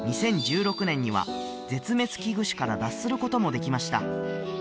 ２０１６年には絶滅危惧種から脱することもできました